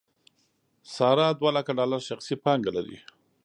ساره دولکه ډالر شخصي پانګه لري.